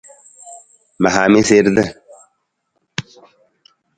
Ma haa mi siirta.